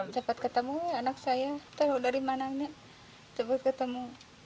cepat ketemu anak saya tahu dari mana cepat ketemu